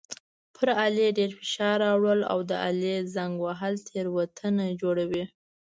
پر آلې ډېر فشار راوړل او د آلې زنګ وهل تېروتنه جوړوي.